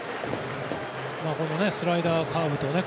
スライダー、カーブとね。